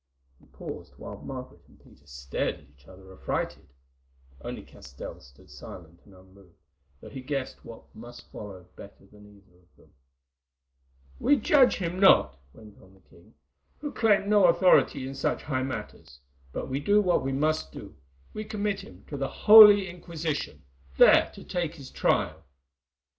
He paused, while Margaret and Peter stared at each other affrighted. Only Castell stood silent and unmoved, though he guessed what must follow better than either of them. "We judge him not," went on the king, "who claim no authority in such high matters, but we do what we must do—we commit him to the Holy Inquisition, there to take his trial!"